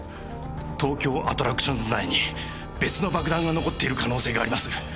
東京アトラクションズ内に別の爆弾が残っている可能性があります。